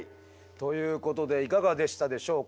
ということでいかがでしたでしょうか？